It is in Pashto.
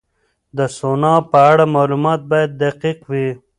د سونا په اړه معلومات باید دقیق وي.